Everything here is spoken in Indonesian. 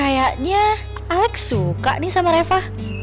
kayaknya alex suka sama aku